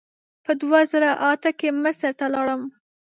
په دوه زره اته کې مصر ته لاړم.